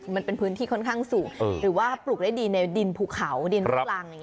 มันเป็นพื้นที่ค่อนข้างสูงหรือว่าปลูกได้ดีในดินภูเขาดินลูกรัง